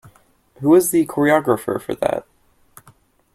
Who was the choreographer for that?